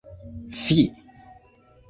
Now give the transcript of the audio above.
Fi!